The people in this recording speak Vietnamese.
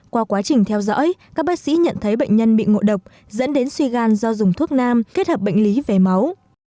qua quá trình theo dõi các bác sĩ nhận thấy bệnh nhân bị ngộ độc dẫn đến suy gan do dùng thuốc nam kết hợp bệnh lý về máu